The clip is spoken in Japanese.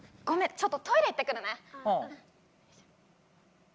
ちょっとトイレ行ってくるね。